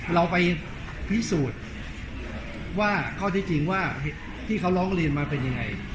เราไปพิสูจน์ว่าข้อที่จริงว่าที่เขาร้องเรียนมาเป็นยังไง